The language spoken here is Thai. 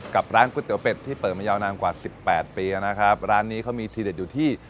กับร้านก๋วยเตี๋เป็ดที่เปิดมายาวนานกว่าสิบแปดปีนะครับร้านนี้เขามีทีเด็ดอยู่ที่